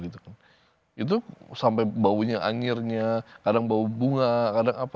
itu sampai baunya anjirnya kadang bau bunga kadang apa